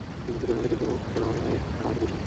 তিনি তৃতীয় রাউন্ডে টিকেও-র হয়ে লড়াইটি জিতেছিলেন।